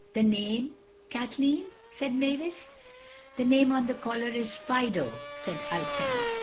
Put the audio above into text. "The name—Kathleen?" said Mavis. "The name on the collar is Fido," said Ulfin.